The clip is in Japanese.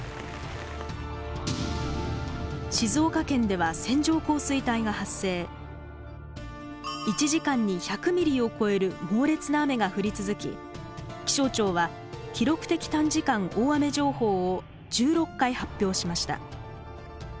静岡県では１時間に１００ミリを超える猛烈な雨が降り続き気象庁は記録的短時間大雨情報を１６回発表しました。